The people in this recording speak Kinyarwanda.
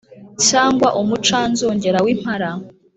Cyangwa umucanzogera w’impara